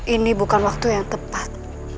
ini bukan waktu yang tepat